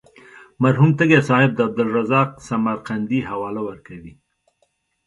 مرحوم تږی صاحب د عبدالرزاق سمرقندي حواله ورکوي.